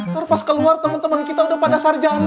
ntar pas keluar temen temen kita udah pada sarjana